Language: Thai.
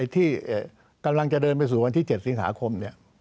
ที่กำลังจะเดินไปสู่วันที่๗สิงหาคม